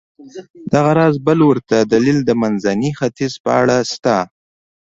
دغه راز بل ورته دلیل د منځني ختیځ په اړه شته.